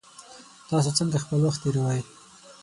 تاسو څنګه خپل وخت تیروئ؟